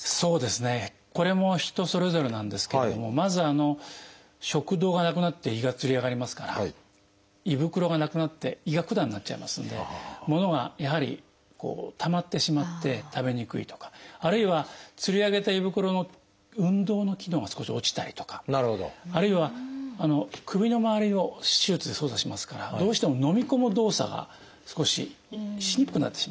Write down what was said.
これも人それぞれなんですけどもまず食道がなくなって胃がつり上がりますから胃袋がなくなって胃が管になっちゃいますのでものがやはりたまってしまって食べにくいとかあるいはつり上げた胃袋の運動の機能が少し落ちたりとかあるいは首のまわりを手術で操作しますからどうしてものみ込む動作が少ししにくくなってしまうんですね。